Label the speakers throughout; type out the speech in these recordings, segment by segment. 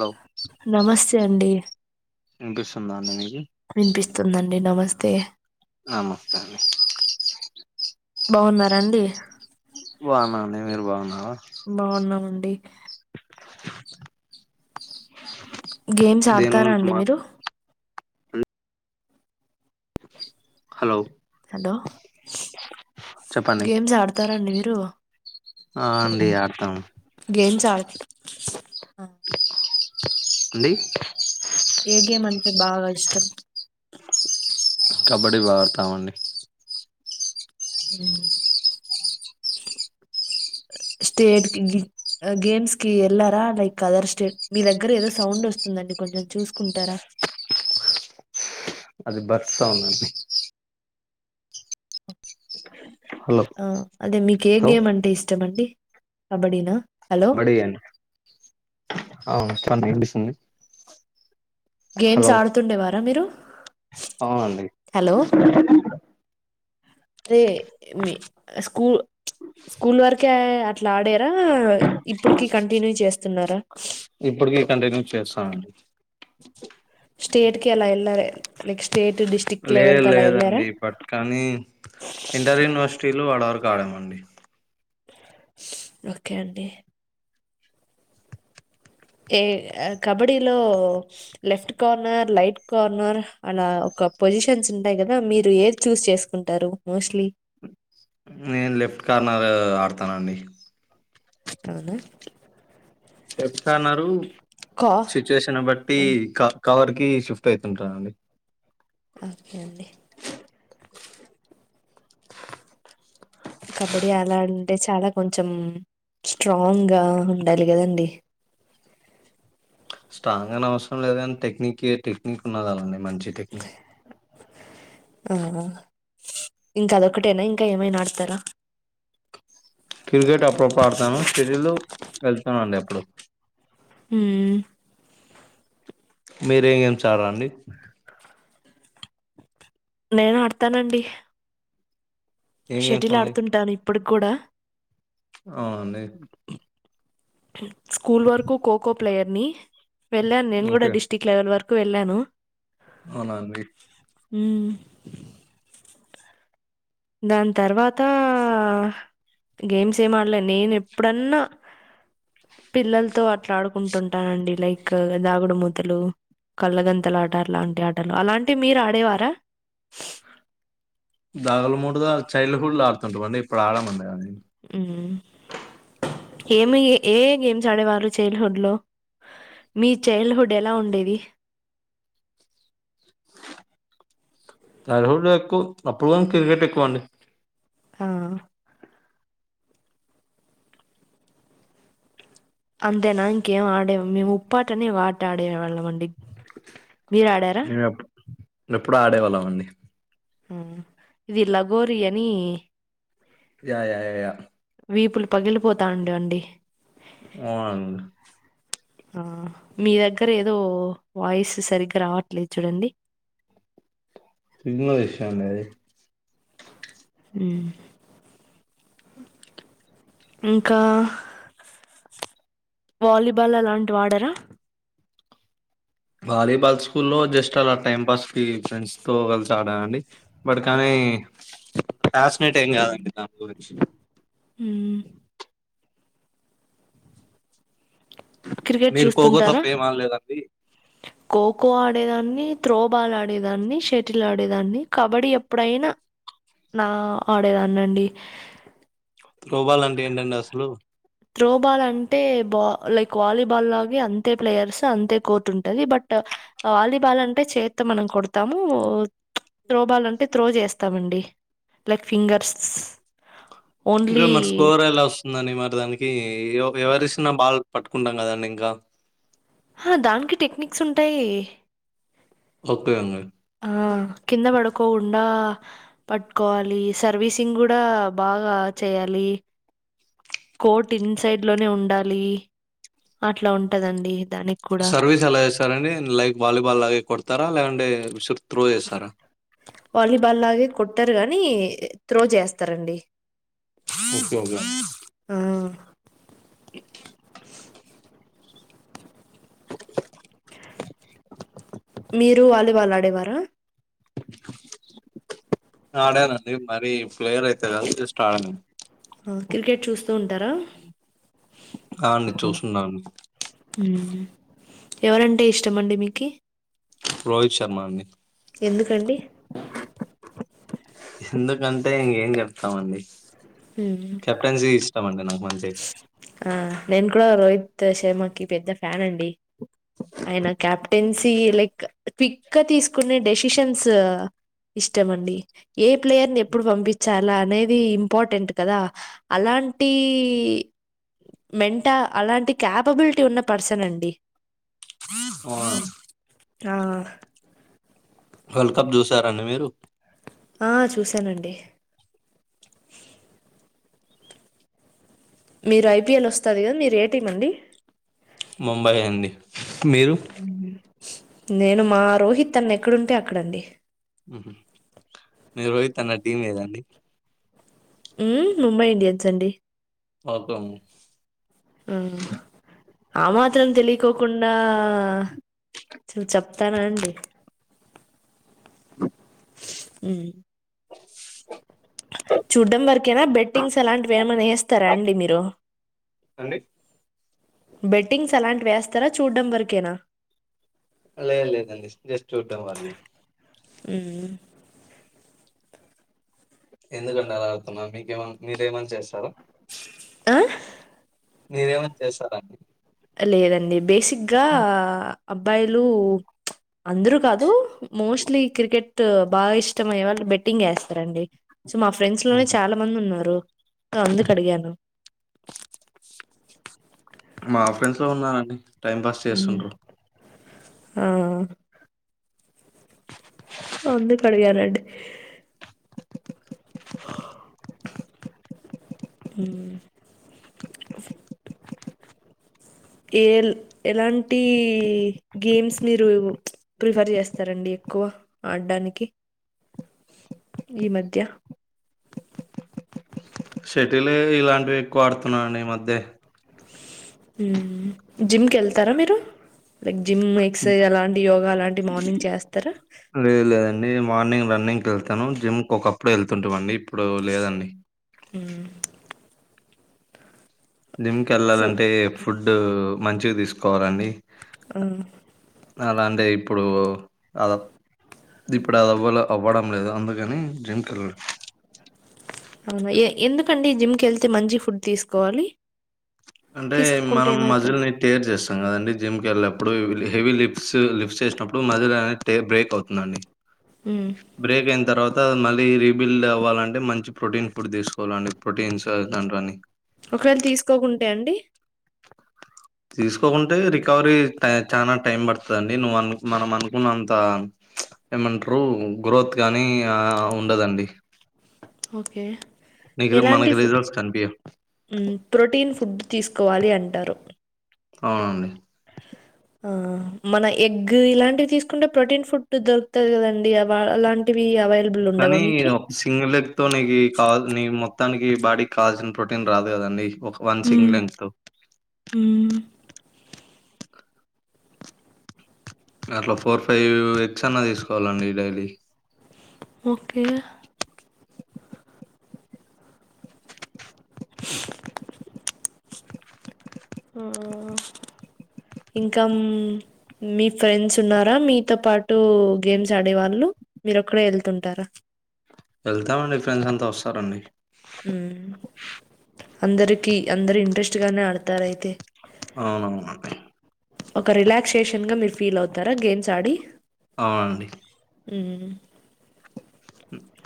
Speaker 1: Hello
Speaker 2: నమస్తే అండి
Speaker 1: వినిపిస్తుందా అండి మీకు
Speaker 2: వినిపిస్తుందండి నమస్తే తే
Speaker 1: నమస్తే అండి
Speaker 2: బాగున్నారండి
Speaker 1: బాగున్నామండి మీరు బాగున్నారా
Speaker 2: అండి గేమ్స్
Speaker 1: దేని
Speaker 2: ఆడతారా
Speaker 1: గురించి
Speaker 2: అండి
Speaker 1: మా
Speaker 2: మీరు
Speaker 1: హలో
Speaker 2: హలో
Speaker 1: చెప్పండి
Speaker 2: గేమ్స్ ఆడతారండి మీరు
Speaker 1: ఆ అండి ఆడతాం
Speaker 2: గేమ్స్ ఆడు చాలు
Speaker 1: అండి
Speaker 2: ఏ గేమ్ అంటే బాగా ఇష్టం
Speaker 1: కబడ్డీ బాగా ఆడతామండి
Speaker 2: స్టేట్ కి గేమ్స్ కి వెళ్లారా లేక అదర్ స్టేట్ కి వెళ్లారా
Speaker 1: అది బర్డ్స్ సాంగ్ అండి హలో
Speaker 2: ఆ అదే మీకు ఏ
Speaker 1: హలో
Speaker 2: గేమ్ అంటే ఇష్టం అండి కబడ్డీనా హలో
Speaker 1: ఒకటి ఇవ్వండి ఓ వినిపిస్తుందండి
Speaker 2: గేమ్స్ ఆడుతుండేవారా మీరు
Speaker 1: అవునండి
Speaker 2: హలో అదే మీ స్కూల్ స్కూల్ వరకే అట్లా ఆడారా ఇప్పుటికి కంటిన్యూ చేస్తున్నారా
Speaker 1: ఇప్పటికీ కంటిన్యూ చేస్తామండి కర్ర సౌండ్
Speaker 2: స్టేట్ లెవెల్ కి వెళ్ళాలి నెక్స్ట్ స్టేట్ డిస్టిక్
Speaker 1: లేదు లేదండి బట్ కానీ ఇంటర్ యూనివర్సిటీలు ఆర్డర్ కారమండి
Speaker 2: ఓకే అండి ఏ కబడ్డీలో లెఫ్ట్ కార్నర్ రైట్ కార్నర్ అలా ఒక పొజిషన్స్ ఉంటాయి కదా మీరు ఏది చూస్ చేసుకుంటారు మోస్ట్లీ
Speaker 1: నేను లెఫ్ట్ కార్నర్ ఆడుతా అత్త నండి
Speaker 2: అవునా
Speaker 1: చెప్తన్నారు
Speaker 2: కా
Speaker 1: సిచ్యువేషన్ బట్టి
Speaker 2: ఆ,
Speaker 1: కవర్ పి జి షిఫ్ట్ అవుతుంటారా అండి
Speaker 2: ఓకే అండి కబడ్డీ ఆలాంటే చాలా కొంచెం స్ట్రాంగ్ గా ఉండాలి కదండి
Speaker 1: స్ట్రాంగ్ అనే అవసరం లేదని టెక్ టెక్నిక్ ఉన్న కండి మంచి టక్నిక్
Speaker 2: ఆ ఇంకా అదొకటేనా ఇంకా ఏమై ఆడతారా
Speaker 1: క్రికెట్ అప్రోప ఆడతాను షెడ్యూల్ వెళ్ చూనండి ఎప్పుడు
Speaker 2: హ
Speaker 1: మీర ఏంం చారంాండి
Speaker 2: నేను ఆడతానండి
Speaker 1: ఏం
Speaker 2: షటిల్ ఆడుతుంటాను ఇప్పుడు కూడా
Speaker 1: అవ్వండి
Speaker 2: స్కూల్ వరకు ఖోఖో ప్లేయర్ ని వెళ్ళాను నేను కూడా డిస్ట్రిక్ట్ లెవెల్ వరకు కు వెళ్ళాను
Speaker 1: అవునాండి
Speaker 2: హ్మ్మ్ దాన్ తర్వాత గేమ్స్ ఏం ఆడలే నేను ఎప్పుడన్నా. పిల్లలతో అ అట్లా ఆడుకుంటంటానండి లైక్ దాగుడుమూతలు కల్లగంతల ఆటలాంటి ఆటలు అలాంటి మీరు ఆడేవారా
Speaker 1: దాగాల మూడుగా చైల్డ్ హుడ్ ఆడుతుంటామండి ఇప్పుడు ఆడమండినీ
Speaker 2: హ్మ్మ్ ఏమి ఏ గేమ్స్ ఆడేవారు చైల్డ్హుడ్ లో మీ చైల్డ్హుడ్ ఎలా ఉండేది
Speaker 1: చైల్డ్హుడ్ ఎకు అప్పుడు క్రికెట్ ఎక్కువ అండి
Speaker 2: ఆ అంతేనా ఇంకేం ఆడే మేము ఉప్పాటని ఓ ఆట ఆడేవాళ్ళం అండి మీర్ ఆడారా
Speaker 1: ఎప్పుడూ ఆడేవాళ్ళం అండి
Speaker 2: హ్మ్మ్ వి లగోరి అని
Speaker 1: యా యా యా
Speaker 2: వీపులు పగిలిపోతానండి అండి
Speaker 1: వాండ్
Speaker 2: ఆ మీ దగ్గర ఏదో వాయిస్ సరిగ్గా రావట్లేదు చూడండి
Speaker 1: చిన్నా విషయండి అది
Speaker 2: హ్మ్మ్ ఇంకా వాలి బాల్ అలాంటివి ఆడారా
Speaker 1: వాలీబాల్ స్కూల్లో జస్ట్ అలా టైం పాస్కి ఫ్రెండ్స్ తో కలిసి ఆడానండి బట్ కానీ ఫ్యాషనేట్ ఏం కాదండి దాని గురించి
Speaker 2: హ్మ్మ్ క్రికెట్
Speaker 1: మీరు ఖోఖో
Speaker 2: చూస్తుంటారా
Speaker 1: తప్ప ఏం ఆడలేదండి
Speaker 2: ఖోఖ్ ఖో ఆడేదాన్ని త్రోబాల్ ఆడేదాన్ని షటిల్ ఆడేదాన్ని కబడ్డీ ఎప్పుడైనా నా ఆడేదాన్ని అండి
Speaker 1: త్రోబాల్ అంటే ఏంటండి అసలు
Speaker 2: త్రోబాల్ అంటే బా లైక్ వాలీబాల్ గే అంతే ప్లేయర్స్ అంతే కోర్టు ఉంటుంది. బట్ వాలీబాల్ అంటే చేత్ మనం కొడతాము. త్రోబాల్ అంటే త్రో చేస్తామండి లైక్ ఫింగర్స్.
Speaker 1: ఇంకా
Speaker 2: ఓన్లీ
Speaker 1: మరి స్కోర్ ఎలా వస్తుందండి మరి దాని ఈ ఎవరిసినా బాల్ పట్టుకుంటాం కదండి ఇంకా
Speaker 2: ఆ దానికి టెక్నిక్స్ ఉంటాయి
Speaker 1: ఓకే అండీ
Speaker 2: ఆ కిందా పడకు కొండా పట్టుకోవాలి సర్వీసింగ్ కూడా బాగా చేయాలి కోట్ ఇన్ సైడ్ లోనే ఉండాలి. అట్లా ఉంటదండి దానికి కూడా.
Speaker 1: సర్వీస్ ఎలా చేస్తారండి లైక్ వాలీబాల్ లాగే కొడతారా లేదంటే విసు త్రో చేస్తారా
Speaker 2: బాలాగే కొట్టారు గాని త్రో చేస్తారండి
Speaker 1: ఓకే ఓకే అండి.
Speaker 2: ఆ! మీరు వాలీబాల్ ఆడేవారా
Speaker 1: ఆడనండి మరి ప్లేయర్ అయితే కాదు జస్ట్ ఆడాను
Speaker 2: క్రికెట్ చూస్త
Speaker 1: ఆ అండి చూస్తా నాన్
Speaker 2: ఎవరంటే ఇష్టం అండి మీకి
Speaker 1: రోహిత్ శర్మ అండి
Speaker 2: ఎందుకండి
Speaker 1: ఎందుకంటే ఎం చెప్తామండి
Speaker 2: మ్మ్.
Speaker 1: కెప్టెన్సీ ఇష్టం అండి నాకు మంచి తే
Speaker 2: ఆ నేను కూడా రోహిత్ శర్మకి పెద్ద ఫ్యాన్ అండి ఆయన క్యాప్టెన్స లైక్ క్విక్ గా తీసుకునే డెసిషన్స్ ఇష్టం అండి ఏ ప్లేయర్ ని ఎప్పుడు పంపించాలా అనేది ఇంపార్టెంట్ కదా అలాంటి ఈ మెంటా అలాంటి క్యాపబుల్ ఉన్న పర్సన్ అండి
Speaker 1: ఆవును
Speaker 2: ఆ
Speaker 1: వరల్డ్ కప్ చూసారా అండి మీరు
Speaker 2: ఆ చూశానండి మీరు ఐపీఎల్ వస్తుంది కదా మీరు ఏ టీం అండి
Speaker 1: ముంబై అండి మీరు
Speaker 2: నేను మా రోహిత్ అన్న ఎక్కడుంటే అక్కడండి
Speaker 1: మీరు రోహిత్ అన్న టీమ్ ఏదండి
Speaker 2: ఉ ముంబై ఇండియన్స్ అండి
Speaker 1: ఓకే అండి
Speaker 2: ఆ మాత్రం తెలికోకు కుడా ఆ చూ చెప్తారా అండి ఉమ్ చూడ్డం వరకేనా బెట్టింగ్స్ అలాంటివి ఏమనా వేస్తారా అండి మీరు
Speaker 1: అండి
Speaker 2: బెట్టింగ్స్ అలాంటి వేస్తారా చూడ్డం వరకేనా
Speaker 1: లేదు లేదండి జస్ట్ చూడటం వరకే
Speaker 2: ఉమ్మ్
Speaker 1: ఎందుకండీ అలా అడుగుతున్నారు మీకు మీరు ఏమైనా చేస్తారా
Speaker 2: ఆ
Speaker 1: మీరేమని చేశారండి
Speaker 2: లేదండి బేసిక్గా అబ్బాయిలు అందరూ కాదు మోస్ట్లీ క్రికెట్ బాగా ఇష్టం అయ్యే వాళ్ళు బెట్టింగ్ వేస్తారండి సో మా ఫ్రెండ్స్ లోనే చాలా మంది ఉన్నారు అందుకు అడిగాను
Speaker 1: ఉన్నానండి టైం పాస్ చేస్తుండ్రు
Speaker 2: ఆ అందుకు అడిగానండి హా ఉమ్ ఫో ఏ ఎలాంటి గేమ్స్ మీరు ప్రిఫర్ చేస్తారండి ఎక్కువ ఆడడానికి ఈ మధ్య
Speaker 1: షటిలే ఇలాంటివి ఎక్కువ ఆడుతున్నానండి ఈ మధ్య
Speaker 2: హ జిమ్ కెల్తారా మీరు జిమ్ ఎక్సర్సైజ్ అలాంటి యోగా అలాంటి మార్నింగ్ చేస్తార
Speaker 1: లేదు లేదండి మార్నింగ్ రన్నింగ్కి వెళ్తాను జిమ్కి ఒకప్పుడు వెళ్తుంటా అండి ఇప్పుడు లేదండి
Speaker 2: హ్మ్.
Speaker 1: జిమ్
Speaker 2: ఫు
Speaker 1: కెళ్ళాలంటే ఫుడ్ మంచి తీసుకోవాలండి.
Speaker 2: ఆ
Speaker 1: అలాంటే ఇప్పుడు అదా ఇప్పుడు అది అవ్వల అవ్వడం లేదు అందుకని జంకల్
Speaker 2: అవునా ఎ ఎందుకండి జిమ్ కెళ్తే మంచి ఫుడ్ తీసుకోవాలి
Speaker 1: అంటే
Speaker 2: తీసుకోకుంటే
Speaker 1: మనం
Speaker 2: ఏమవుతా
Speaker 1: మజిల్ని టేర్ చేస్తాం కదండి జిమ్కి వెళ్ళప్పు ఇప్పుడు హెవీ లిప్స్ లిప్స్ చేసినప్పుడు మధలో అనే బ్రేక్ అవుతుందండి.
Speaker 2: ఉమ్
Speaker 1: బ్రేక్ ఎన్ తర్వాత మళ్ళీ రీబిల్డ్ అవ్వాలంటే మంచి ప్రోటీన్ ఫుడ్ తీసుకోవాలండి ప్రోటీన్స్ తండని
Speaker 2: ఒకవేళ తీసుకోకుంటే అండి
Speaker 1: తీసుకోకుంటే రికవరి చాలా టైం పడుతుందిండి నువ్ అనుకున్న మనం అనుకున్నంత ఏమంటారు గ్రోత్ కానీ ఉండదండి.
Speaker 2: ఓకే
Speaker 1: నీకు
Speaker 2: ఎలాంటి
Speaker 1: మనకి
Speaker 2: ఫుడ్
Speaker 1: రిజల్ట్స్ కనిపియవు.
Speaker 2: ప్రోటీన్ ఫుడ్ తీసుకోవాలి అంటారు
Speaker 1: అవునండి
Speaker 2: ఆ మన ఎగ్ ఇలాంటివి తీసుకుంటే ప్రోటీన్ ఫుడ్ దొరుకుతంది కదండి అ అలాంటివి అవ
Speaker 1: కానీ ఒక సింగిల్ లెగ్ తో నీకు కాదు నీ మొం మొత్తానికి బాడీకి కాల్సన్ ప్రోటీన్ రాదు కదండి ఒక వన్
Speaker 2: ఉమ్
Speaker 1: సింగ్లెన్
Speaker 2: ఉమ్
Speaker 1: అట్లా ఫోర్ ఫైవ్ ఎగ్స్ అన్నా తీసుకోవాలండి డైలీ
Speaker 2: ఓకే ఆ ఇంకా మీ ఫ్రెండ్స్ ఉన్నారా మీతో పాటు గేమ్స్ ఆడే వాళ్ళు మీరొకరేయ్ వెళ్తు
Speaker 1: వెళ్తా
Speaker 2: అందర
Speaker 1: అవునవును
Speaker 2: ఒక రిలాక్సేషన్ గా మీరు ఫీల్ అవుతారా గేమ్స్ ఆడి
Speaker 1: అవునండి
Speaker 2: ఉ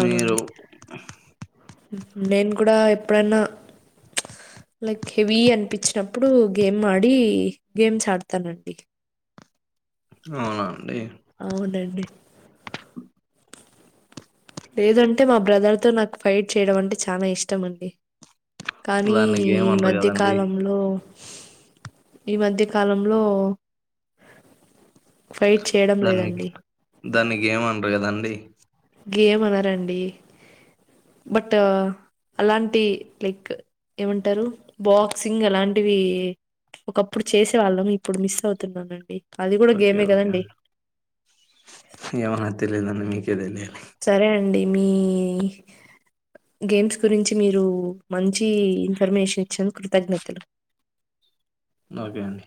Speaker 1: నేరు
Speaker 2: నేన్ కూడ
Speaker 1: అవునండి
Speaker 2: అ లేదంటే మా బ్రదర్ తో నాకు ఫైట్ చేయడం అంటే చాలా ఇష్టం అండి కానీ
Speaker 1: దానికి
Speaker 2: ఈ
Speaker 1: ఏమంటారు
Speaker 2: మధ్య
Speaker 1: కదండి
Speaker 2: కాలంలో ఈ మధ్య కాలంలో ఫైట్ చేయడం
Speaker 1: దాన్ని
Speaker 2: లేదండి
Speaker 1: దానికి ఏమండరు కదాండి
Speaker 2: ఏం అనారండి బట్ అలాంటి లైక్ ఏమంటారు బాక్సింగ్ అలాంటివి ఒకప్పుడు చేసేవాళ్ళం ఇప్పుడు మిస్ అవుతున్నానండి అది కూడా
Speaker 1: ఓకే
Speaker 2: గేమే
Speaker 1: ఓకే
Speaker 2: కదండి సరే అండి
Speaker 1: [unintelligible]
Speaker 2: మీ గేమ్స్ గురించి
Speaker 1: ఓకే అండి